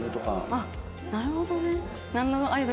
あっなるほどね。